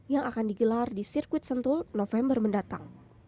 yang akan digelar di sirkuit sentul november mendatang